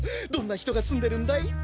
どんなひとがすんでるんだい？